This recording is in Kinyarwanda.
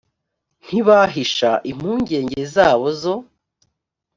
ntibahishaga impungenge zabo zo